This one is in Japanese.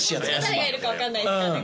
誰がいるかわからないですからね